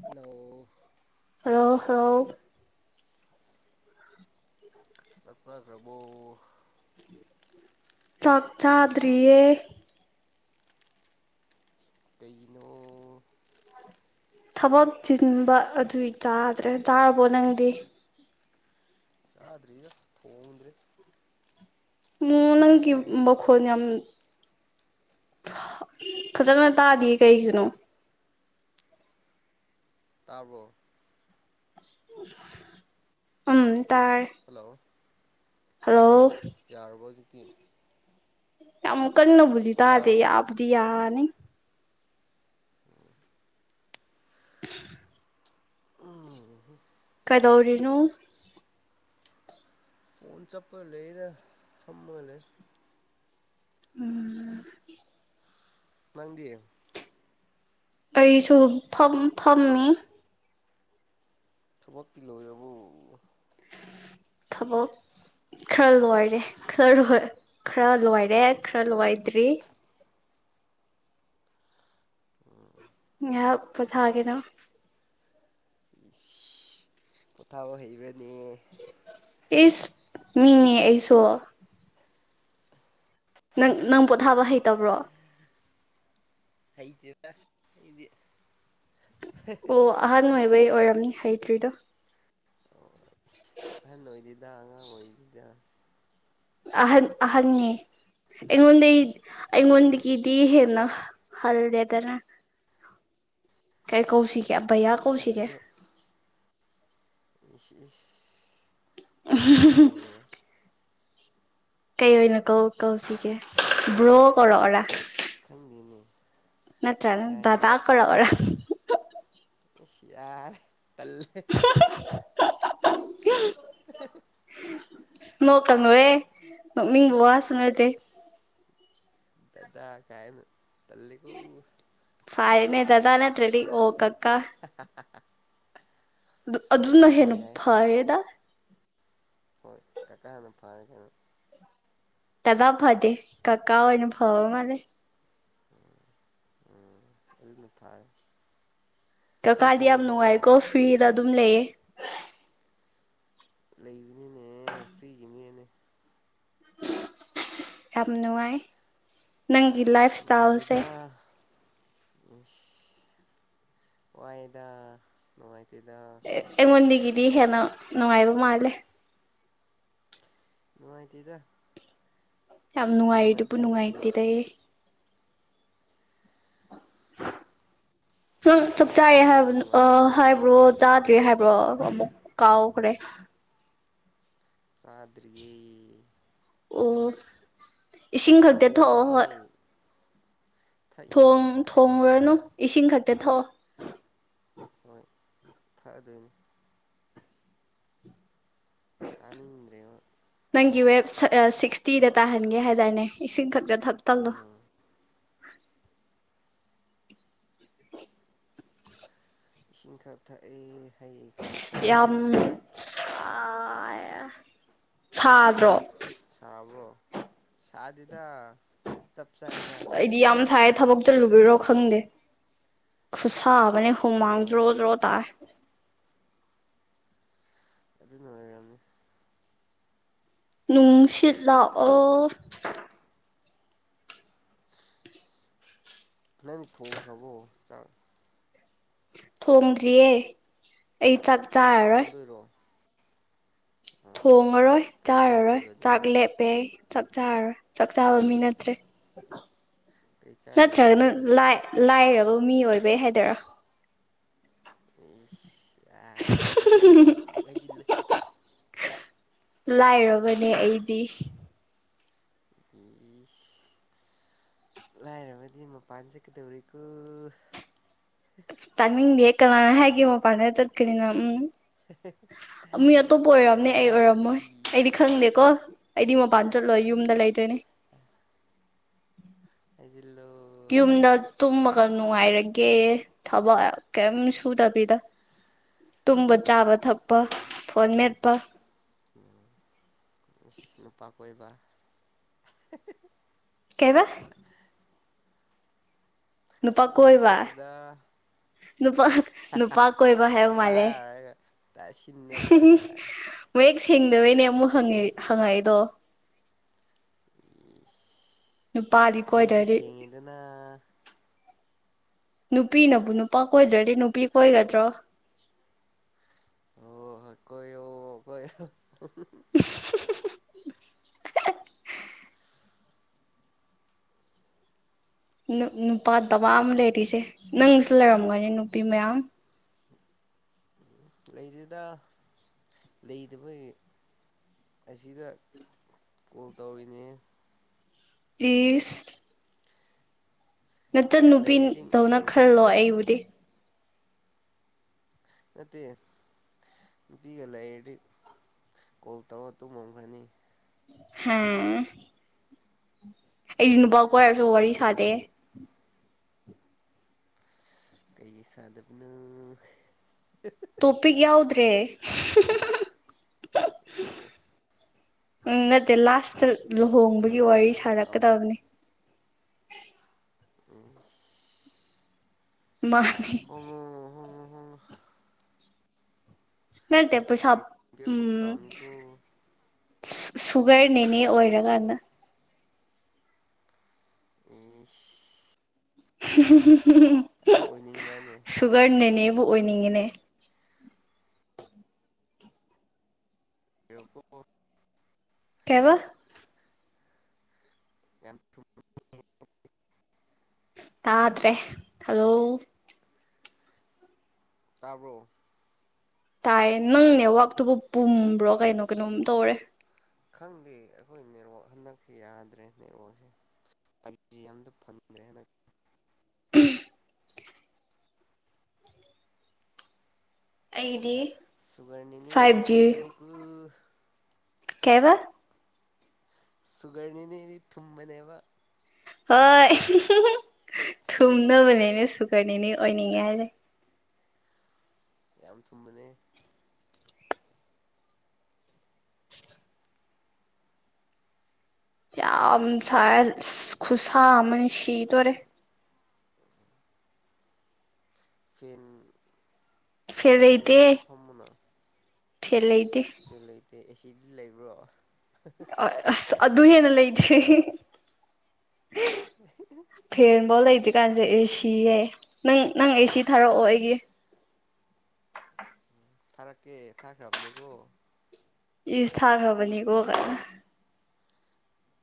hello ꯑ ꯍꯥꯎ ꯆꯥꯛꯆꯥꯈ꯭ꯔꯕꯨꯣ ꯆꯛꯆꯥ ꯗ꯭ꯔꯤꯌꯦ ꯀꯩꯅꯣ ꯊꯕꯛ ꯆꯤꯟꯕ ꯑꯗꯨꯏ ꯆꯥꯗ꯭ꯔꯦ ꯆꯥꯔꯕꯣ ꯅꯪꯗꯤ ꯆꯥꯗ꯭ꯔꯤꯒ ꯊꯣꯡꯉꯗ꯭ꯔꯔꯤ ꯎ ꯅꯪꯒꯤ ꯃꯈꯣꯜ ꯌꯥꯝ ꯐꯖꯅ ꯇꯥꯗꯤꯌꯦ ꯀꯩꯒꯤꯅꯣ ꯇꯥꯔꯕꯣ ꯎꯝ ꯇꯔ ꯍꯜꯂꯣ ꯍꯜꯂꯣ ꯇꯤꯟ ꯀꯃ ꯀꯅꯨꯕꯨꯖꯤ ꯊꯥꯗ ꯌꯥꯔꯕꯣ ꯌꯥꯕꯕꯨꯖꯤ ꯌꯥꯅꯤ ꯎꯝ ꯀꯗꯧꯔꯤꯅꯣ ꯐꯣꯟ ꯆꯠꯄꯒ ꯂꯩꯗ ꯊꯝꯃꯒ ꯂꯩ ꯎꯝ ꯅꯪꯗꯤꯌꯦ ꯑꯩꯁꯨ ꯐꯝꯃꯤ ꯊꯕꯣꯛ ꯄꯤꯂꯔꯕꯔꯕꯕꯨ ꯊꯕꯛ ꯈꯔ ꯂꯣꯏꯔꯦ ꯈꯔ ꯈꯔ ꯂꯣꯏꯔꯦ ꯈꯔ ꯂꯥꯏꯗ꯭ꯔꯤ ꯌꯥ ꯄꯨ ꯊꯥꯒꯦꯅꯣ ꯀꯣꯊ ꯍꯕ [unintelligible] ꯏꯁ ꯃꯤꯅꯦ ꯑꯩꯁꯨ ꯅꯪ ꯅꯪ ꯄꯣꯊꯥꯕ ꯍꯩꯇꯕ꯭ꯔꯣ ꯍꯇꯔ ꯏꯗꯤ ꯑꯣ ꯑꯍꯅ ꯇꯩ ꯑꯣꯏꯔꯝꯅꯤ ꯍꯩꯇ꯭ꯔꯤꯗꯣ ꯑꯣ ꯑꯍꯦꯟ ꯅꯣꯏꯗꯤ ꯉꯥꯡ ꯑꯣꯏꯣꯏꯗꯤꯗ ꯑꯍꯟ ꯑꯍꯅꯤꯦ ꯑꯩꯉꯣꯟꯗ ꯑꯩ ꯑꯍꯟ ꯅꯠꯇꯦ ꯃꯗꯒꯗꯤꯦ ꯍꯜꯗꯦ ꯇꯔ ꯀꯥꯏ ꯀꯧꯁꯤ ꯀꯌꯥꯚꯩꯌꯥ ꯀꯧꯁꯤꯒꯦ ꯏ [inaudible] ꯀꯩ ꯑꯣꯏꯅ ꯀꯧ ꯀꯧꯁꯤꯒꯦ ꯕ꯭ꯔꯣ ꯀꯧꯔꯛꯑꯣꯔꯥ ꯃꯤꯅ ꯅꯠꯇ꯭ꯔ ꯅ ꯊꯥꯀꯣꯔꯋꯥꯔ ꯌꯥꯔ ꯀꯂꯦ ꯅꯣꯀꯅꯣꯑꯦ ꯃꯤꯕ ꯋꯥ ꯁꯉꯇꯦ ꯇꯗꯥ ꯀꯥꯏꯅ ꯇꯜꯒꯣ ꯔꯦ ꯑꯣ ꯀ ꯀꯥ ꯑꯗꯨ ꯀꯀꯥ ꯑꯗꯨꯅ ꯐꯥꯎ ꯍꯦꯟꯅ ꯌꯥꯏ ꯐꯔꯦꯗ ꯍꯣꯏ ꯀꯀꯥ ꯍꯥꯟꯅ ꯐꯥꯔꯒꯦꯗꯣ ꯇꯕ ꯐꯗꯤꯦ ꯀꯀꯥ ꯑꯣꯏ ꯑꯅ ꯐꯥꯎ ꯃꯥꯅꯦ ꯎꯝ ꯑꯗꯨ ꯅꯊꯥꯏ ꯀ ꯀꯥꯗꯤꯂꯤꯌꯥ ꯌꯥꯝꯅꯅꯨꯡꯉꯥꯏ ꯀꯣꯐꯤ ꯑꯗꯨꯝ ꯂꯩꯌꯦ ꯂꯩ [inaudible] ꯌꯥꯝ ꯅꯨꯡꯉꯥꯏ ꯅꯪꯒꯤ ꯂꯥꯏꯐ ꯏꯁ꯭ꯇꯥꯏꯜꯁꯦ ꯎ ꯋꯥꯗ ꯅꯨꯡꯉꯥꯏꯇꯗ ꯑꯩꯉꯣꯟꯗꯒꯤꯗꯤ ꯍꯦꯟꯅ ꯅꯨꯡꯉꯥꯏꯕ ꯃꯥꯜꯂꯦ ꯅꯨꯡꯉꯥꯏꯇꯗ ꯌꯥꯝ ꯅꯨꯡꯉꯥꯏꯗꯨꯕꯨ ꯅꯨꯡꯉꯥꯏꯇꯦꯗ ꯎꯝ ꯆꯞ ꯑꯗꯨꯝ ꯆꯥꯔꯦ ꯈꯜꯂꯒ ꯍꯥꯏꯕ ꯑ ꯅꯨꯡꯉꯥꯏꯔꯝꯗꯧ ꯍꯥꯏꯕ꯭ꯔꯣ ꯃꯥꯟꯕꯅꯤ ꯆꯥꯗ꯭ꯔꯤꯦ ꯍꯥꯏꯕ ꯛ ꯀꯥꯎꯥꯎꯈꯔꯦ ꯆꯗꯔꯤꯌꯦꯦ ꯑꯣ ꯏꯁꯤꯡ ꯈꯛꯇꯤ ꯊꯣꯛꯑꯣ ꯊꯣꯡꯗ꯭ꯔꯤꯌꯦ ꯍꯣꯏ ꯊꯛꯏꯅꯦ ꯊꯣꯡ ꯉꯁꯥꯏꯗꯩ ꯊꯣꯡꯔꯅꯣ ꯏꯁꯤꯡ ꯈꯛꯇ ꯊꯣꯛ ꯍꯣꯏ ꯊꯛꯑꯗꯣꯏꯅꯤ ꯁꯅꯤꯗ꯭ꯔꯦꯣ ꯒꯤ ꯋꯦ ꯁꯤꯛꯁꯇꯤꯗ ꯇꯥꯍꯟꯒꯦ ꯍꯥꯏꯇꯥꯔꯦꯅꯦ ꯏꯁꯤꯡ ꯈ ꯊꯞ ꯇꯂꯣ ꯎꯝ ꯏꯁꯤꯡꯁꯤꯡ ꯈꯥ ꯊ ꯑꯦ ꯍꯩ ꯈꯔ ꯆꯥꯔꯦ ꯑ ꯁꯥꯗ꯭ꯔꯣ ꯁꯥꯕ꯭ꯔꯣ ꯁꯥꯗꯤꯗ ꯑꯩꯗꯤ ꯌꯥꯝ ꯊꯥꯏ ꯊꯕꯛ ꯆꯠꯂꯨꯕꯤꯔꯣ ꯋꯦꯗꯔꯗꯤ ꯈꯪꯗꯦ ꯈꯨꯨꯁꯥꯕꯅꯤ ꯑꯗꯨ ꯍꯨꯃꯥꯡꯒ ꯔꯣꯖ ꯑꯣꯏꯔꯝꯅꯤ ꯔꯣ ꯇꯥꯔ ꯑꯗꯨ ꯑꯗꯨ ꯅꯅꯤ ꯅꯨꯡꯁꯤꯂ ꯑꯣ ꯅꯅꯤ ꯊꯣꯡ ꯐ꯭ꯔꯕꯣ ꯆꯪ ꯊꯣꯡꯗ꯭ꯔꯤꯌꯦ ꯑꯩ ꯆꯥꯛ ꯆꯥꯔꯔꯣꯏ ꯇꯣꯟꯣꯏꯔꯣ ꯊꯣꯡꯉꯔꯣꯏ ꯀꯩ ꯆꯥꯔꯔꯣꯏ ꯆꯥꯗꯣꯏꯕ ꯆꯥꯛ ꯑꯗꯨꯗꯤ ꯂꯦꯞꯄꯦ ꯆꯥꯛ ꯆꯔꯣꯏ ꯆꯥꯛ ꯆꯥꯕ ꯃꯤ ꯅꯠꯇ꯭ꯔꯦ ꯀꯩ ꯆꯥꯗꯣꯏꯅꯣ ꯅꯆꯒ ꯑꯗꯨꯗꯤ ꯂ ꯂ ꯃꯤ ꯑꯣꯏꯕꯩ ꯍꯥꯏꯗꯔꯥ ꯎꯝ ꯑ ꯍꯖꯤꯜꯂꯨ ꯍꯩꯖꯤꯜꯂꯨ ꯂꯥꯏꯔꯕꯅꯦ ꯑꯩꯗꯤ ꯂꯑꯔ ꯃꯗꯤ ꯃ ꯄꯥꯟꯖ ꯀꯗꯧꯔꯀ ꯇꯪꯅꯤꯡ ꯌꯦ ꯀꯅꯥꯅ ꯍꯥꯏꯒꯦ ꯃꯄꯥꯟ ꯇꯠꯀꯅꯤꯅ ꯎꯝ ꯃꯤ ꯑꯇꯣꯞꯄ ꯅꯪ ꯑꯣꯏꯔꯝꯅꯦ ꯉꯔꯥꯡ ꯑꯩ ꯑꯣꯏꯔꯝꯃꯣꯏ ꯍꯥꯏꯔꯤꯗꯨꯗꯤ ꯑꯩꯗꯤ ꯈꯪꯗꯦꯀꯣ ꯑꯩꯗꯤ ꯃꯄꯥꯟ ꯆꯠꯂꯣꯏ ꯑꯦ ꯌꯨꯝꯗ ꯂꯩꯗꯣꯏꯅꯦ ꯎ ꯖꯤꯜꯂꯣ ꯌꯨꯝꯗ ꯇꯨꯝꯕꯒ ꯅꯨꯡꯉꯥꯏꯔꯒꯦ ꯊꯕꯛ ꯀꯔꯤꯝ ꯁꯨꯗꯕꯤꯗ ꯇꯨꯝꯕ ꯆꯥꯕ ꯊꯛꯄ ꯐꯣꯟ ꯃꯦꯠꯄ ꯢꯁ ꯅꯨꯄꯥ ꯀꯣꯏꯕ ꯀꯩꯕ ꯅꯨꯄꯥ ꯀꯩꯁꯨ ꯀꯣꯏꯕ ꯅꯠꯇꯦꯗ ꯅꯨꯄꯥ ꯅꯨꯄꯥ ꯀꯣꯏꯕ ꯍꯥꯏꯕ ꯃꯥꯜꯂꯦ ꯇꯥꯔꯒ ꯇꯥꯁꯤꯟꯅꯗꯕ ꯁꯥꯔꯦ ꯃꯌꯦ ꯁꯦꯡꯗꯕꯩꯅꯦ ꯑꯃꯨꯛ ꯍꯪꯉꯤ ꯍꯪꯉꯛꯏꯗꯣ ꯅꯨꯄꯥꯗꯤ ꯍꯨꯖꯤꯛꯇꯤ ꯀꯣꯏꯗ꯭ꯔꯗꯤ ꯁꯦꯡꯉꯦꯗꯅ ꯅꯨꯄꯤꯅꯕꯨ ꯅꯨꯄꯥ ꯀꯣꯏꯗ꯭ꯔꯗꯤ ꯅꯨꯄꯤ ꯀꯣꯏꯒꯗ꯭ꯔꯣ ꯑꯣ ꯍ ꯀꯣꯏꯌꯣ ꯀꯣꯢꯌꯣ ꯅꯨ ꯅꯨꯄꯥ ꯗꯕꯥ ꯑꯃ ꯂꯩꯔꯤꯁꯦ ꯅꯪꯁꯨ ꯂꯩꯔꯝꯒꯅꯤ ꯅꯨꯄꯤ ꯃꯌꯥꯝ ꯂꯩꯗꯦꯗ ꯂꯩꯗꯕꯒꯤ ꯑꯁꯤꯗ ꯀꯣꯜ ꯇꯧꯔꯤꯅꯦ ꯢꯁ ꯅꯆꯟ ꯂꯩꯔꯗꯤ ꯅꯨꯄꯤꯗꯧꯅ ꯈꯜꯂꯣ ꯑꯩꯕꯨꯗꯤ ꯅꯠꯇꯦ ꯅꯨꯄꯤꯒ ꯂꯩꯔꯗꯤ ꯀꯣꯜ ꯇꯧꯔ ꯇꯨꯝꯃꯝꯈ꯭ꯔꯅꯤ ꯍꯪ [unintelligible] ꯀꯣꯏꯔꯁꯨ ꯋꯥꯔꯤ ꯁꯥꯗꯦ ꯂꯩꯗꯕꯒꯤ ꯀꯩꯒꯤ ꯁꯥꯗꯕꯅꯣ ꯇꯣꯄꯤꯛ ꯌꯥꯎꯗ꯭ꯔꯦ ꯑꯣ ꯎꯝ ꯅꯠꯇꯦ ꯂꯥꯁ ꯆꯠ ꯇꯣꯄꯤꯛ ꯂꯨꯍꯣꯡꯕꯒꯤ ꯋꯥꯔꯤ ꯌꯥꯎꯗ꯭ꯔꯁꯨ ꯁꯥꯎ ꯁꯥꯔꯛꯀꯗꯕꯅꯤ [unintelligible] ꯃꯥꯍꯅꯤ ꯎꯪꯍ ꯅꯠꯇꯦ ꯄꯩꯁꯥꯞ ꯎ ꯄꯤꯔꯛꯄ ꯀꯥꯎꯅꯤꯀꯣ ꯁꯨ ꯁꯨꯒꯔꯅꯤꯅꯦ ꯑꯣꯏꯔꯒꯥꯟꯗ ꯢꯁ [unintelligible] ꯑꯗꯨ ꯑꯣꯏꯅꯤꯡꯕ꯭ꯔꯅꯦ ꯑꯣꯏꯅꯤꯡꯉꯦꯅꯦ ꯏꯔꯛꯀꯣꯑꯣ ꯀꯩꯕ [unintelligible] ꯇꯥꯗ꯭ꯔꯦ ꯍꯂꯣ ꯇꯥꯕ꯭ꯔꯣ ꯇꯥꯏꯌꯦ ꯅꯪ ꯅꯦꯠꯋꯥꯛꯇꯨꯕꯨ ꯄꯨꯝꯕ꯭ꯔꯣ ꯀꯩꯅꯣ ꯀꯩꯅꯣꯝ ꯇꯧꯔꯦ ꯈꯪꯗꯦ ꯑꯩꯈꯣꯏ ꯅꯦꯠꯋꯥꯛ ꯍꯟꯗꯛꯁꯦ ꯌꯥꯗ꯭ꯔꯦ ꯅꯦꯠꯋꯥꯛꯁꯦ ꯄꯩꯖꯤ ꯑꯝꯗ ꯐꯪꯗ꯭ꯔꯦ ꯍꯟꯗꯛꯇꯤ ꯑꯩꯗꯤ ꯁꯨꯒꯔꯅꯤꯅꯦꯔꯤ ꯊꯨꯝꯃꯅꯤ ꯀ ꯀꯕ ꯁꯨꯒꯔꯅꯤꯅꯤꯔꯤ ꯊꯨꯅꯦꯕ ꯍꯣꯏ ꯊꯨꯝꯅꯕꯅꯦꯅ ꯁꯨꯒꯔꯅꯤꯅꯦ ꯑꯣꯏꯅꯤꯡꯉꯦ ꯍꯥꯏꯁꯦ ꯌꯥꯝ ꯊꯨꯝꯃꯅꯦ ꯌꯥꯝ ꯁꯥ ꯈꯨꯁꯥ ꯑꯃꯅꯤ ꯁꯤ ꯇꯣꯔꯦ ꯐꯦꯟ ꯐꯦꯟ ꯐꯃꯦꯅꯇ ꯐꯝꯃꯅ ꯐꯦ ꯂꯩ ꯐꯦꯂ ꯏꯇ ꯑꯦꯁꯤ ꯂꯩꯕ꯭ꯔꯣ ꯑ ꯑ ꯑꯗꯨ ꯍꯦꯟꯅ ꯂꯩꯇ꯭ꯔꯦ ꯐꯦꯔꯕꯣꯂ ꯏ ꯍꯧꯖꯤꯛꯀꯥꯟꯁꯦ ꯑꯦꯁꯤꯌꯦ ꯅꯪ ꯅꯪ ꯑꯦꯁꯤ ꯊꯥꯔꯛꯑꯣ ꯑꯩꯒꯤ ꯊꯔꯛ ꯀꯦ ꯊꯔꯦ ꯑꯕꯅꯤ ꯀꯣ ꯌ ꯁꯥꯔ꯭ꯔꯕꯅꯤ ꯍꯒꯗ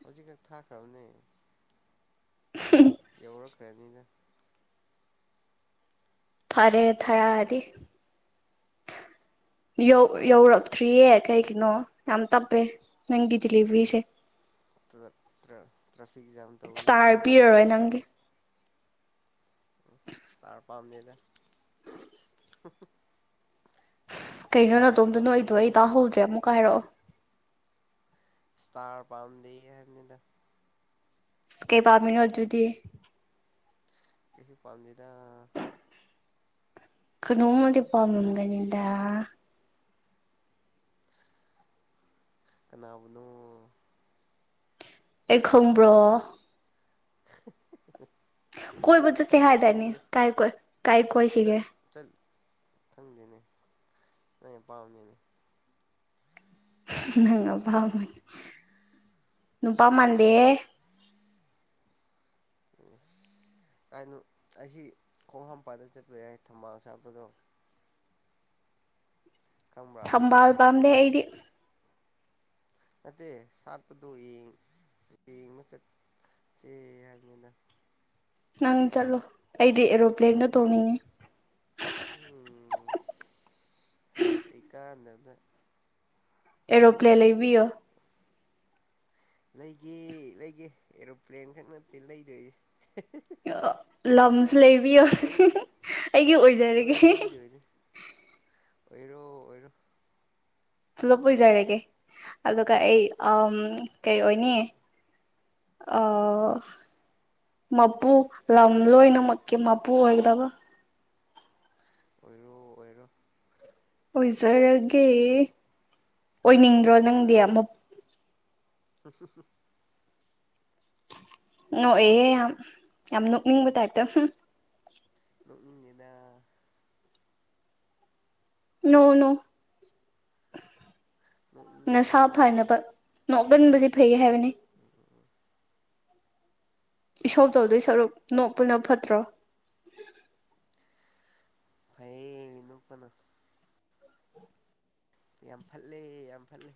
ꯍꯧꯖꯤꯛ ꯀ ꯊꯥꯈ꯭ꯔꯕꯅꯦ ꯐꯅꯤꯅꯦ ꯐꯔꯦ ꯊꯔꯛꯑꯗꯤꯧ ꯌꯧꯔꯛꯇ꯭ꯔꯤꯌꯦ ꯀꯩꯒꯤꯅꯣ ꯌꯥꯝ ꯇꯞꯄꯦ ꯅꯪꯒꯤ ꯗꯤꯂꯤꯚꯔꯤꯁꯦ ꯇ꯭ꯔꯥꯐꯤꯛ ꯖꯥꯝ ꯇꯧꯔꯤ ꯏꯁꯇꯥꯔ ꯍꯥꯏꯅꯦ ꯄꯤꯔꯔꯣꯏ ꯅꯪꯒꯤ ꯇꯔ ꯄꯝ ꯅꯗ ꯀꯩꯅꯣ ꯅꯅꯥꯇꯣꯝꯗ ꯅꯣꯏ ꯑꯩꯗꯣ ꯑꯩ ꯇꯥꯍꯧꯗ꯭ꯔꯦ ꯑꯃꯨꯛꯀ ꯍꯥꯏꯔꯛꯑꯣ ꯁꯇꯥꯔ ꯄꯥꯗ ꯍꯥꯏꯅꯤꯗ ꯀꯩꯕꯥꯃꯤꯅꯖꯗꯤ ꯀꯁꯨꯁꯨ ꯄꯝꯅꯤꯗ ꯀꯩꯅꯣꯡꯃꯗꯤ ꯄꯝꯝꯕꯒꯅꯤꯗ ꯀꯅꯥꯕꯅ ꯑꯩ ꯈꯪꯕ꯭ꯔꯣ [inaudible] ꯀꯣꯏ ꯗꯨ ꯆꯦꯍꯥꯏꯗꯅꯤ ꯈꯪꯉꯨ ꯀꯥꯏ ꯀꯣꯏ ꯀꯥꯏ ꯀꯣꯏ ꯆꯠ ꯁꯤꯒꯦ ꯆꯠ ꯈꯪꯗꯦꯅꯦ ꯑ ꯄꯥꯝꯒꯦꯅꯦ ꯅꯪꯄꯥꯃꯅꯤ ꯅꯨꯄꯥꯝꯃꯥꯟꯗꯦ ꯎ ꯍꯥꯏꯅ ꯑꯩꯁꯤ ꯈꯣꯡ ꯍꯥꯥꯝꯄꯥꯥꯟꯗ ꯆꯠꯄ ꯌꯥꯏ ꯊꯝꯕꯥꯜ ꯁꯥꯄꯗꯣ ꯈꯪꯕ꯭ꯔꯥ ꯊꯕꯥꯜ ꯄꯥꯗ ꯍꯥꯏ ꯗꯤ ꯅꯠꯇꯦ ꯁꯥꯠꯄꯗꯣꯡ ꯌꯦꯡꯕ ꯆꯠꯦ ꯍꯥꯏꯕꯅꯤꯅ ꯅꯪ ꯆꯠꯂꯣ ꯑꯩꯗꯤ ꯑꯦꯔꯣꯄ꯭ꯂꯦꯟꯗ ꯇꯣꯡꯅꯤꯡꯉꯤ ꯎꯝ ꯀꯩ ꯀꯥꯗꯅ ꯑꯦꯔꯣꯄ꯭ꯂꯦꯟ ꯂꯩꯕꯤꯌꯣ ꯂꯩꯒꯦ ꯂꯩꯒꯦ ꯑꯦꯔꯣꯄ꯭ꯂꯦꯟ ꯈꯛ ꯅꯠꯇꯦ ꯂꯩꯗꯣꯏꯁ [unintelligible] ꯂꯝꯪ ꯂꯩꯕꯤꯌꯣ ꯑꯩꯒꯤ ꯑꯣꯏꯖꯔꯒꯦ ꯂꯣꯏ ꯂꯩꯗꯣꯏꯅꯤ ꯑꯣꯏꯔꯣ ꯑꯣꯏꯔꯣ ꯄꯨꯂꯞ ꯑꯣꯏꯖꯔꯒꯦ ꯑꯗꯨꯒ ꯑꯩ ꯀꯩ ꯑꯣꯏꯅꯤ ꯃꯄꯨ ꯂꯝ ꯂꯣꯏꯅꯃꯛꯀꯤ ꯃꯄꯨ ꯑꯣꯏꯒꯗꯕ ꯑꯣꯏꯔꯣ ꯑꯣꯏꯔꯣ ꯑꯣꯏꯖꯔꯒꯦ ꯑꯣꯏꯔꯣ ꯑꯣꯏꯅꯤꯡꯗ꯭ꯔꯣ ꯅꯪꯗꯤ ꯑꯣꯏꯔꯣ ꯑꯃꯨꯛ [unintelligible] ꯅꯣꯛꯦꯍꯦ ꯌꯥꯝ ꯌꯥꯝ ꯅꯣꯛꯅꯤꯡꯕ ꯇꯥꯏꯞꯇ ꯅꯣꯡ ꯃꯤ ꯂꯩꯗ ꯅꯧꯅꯧ ꯅꯣꯛꯅꯤꯡꯗꯦ ꯅꯁꯥ ꯐꯅꯕ ꯅꯣꯛꯒꯟꯕꯁꯦ ꯐꯩ ꯍꯥꯏꯕꯅꯤ ꯎꯝ ꯎ ꯏꯁꯧ ꯇꯧꯗꯣꯏ ꯁꯔꯨꯛ ꯅꯣꯛꯄꯅ ꯐꯠꯇ꯭ꯔꯣ ꯐꯩ ꯏꯅꯄꯅ ꯌꯥꯝ ꯐꯠꯂꯦ ꯌꯥꯝ ꯐꯜꯂꯦ